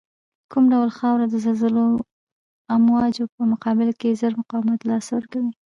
کوم ډول خاوره د زلزلوي امواجو په مقابل کې زر مقاومت له لاسه ورکوی